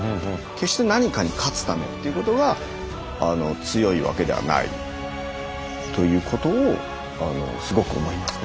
決して何かに勝つためということが強いわけではない。ということをすごく思いますけどね。